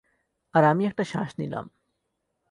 আর আমি একটা শ্বাস নিলাম।